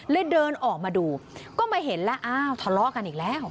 เดินออกมาดูก็มาเห็นแล้วอ้าวทะเลาะกันอีกแล้ว